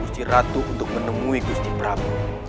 kunci ratu untuk menemui gusti prabu